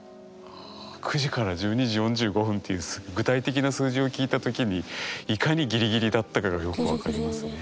９時から１２時４５分っていう具体的な数字を聞いたときにいかにギリギリだったかがよく分かりますね。